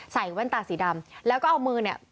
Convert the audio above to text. แว่นตาสีดำแล้วก็เอามือเนี่ย